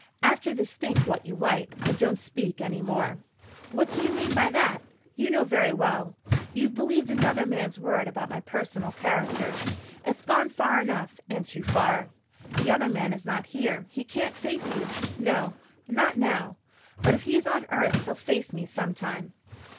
After this think what you like, but don't speak any more." "What do you mean by that?" "You know very well. You've believed another man's word about my personal character. It's gone far enough and too far." "The other man is not here. He can't face you." "No, not now. But if he's on earth he'll face me sometime."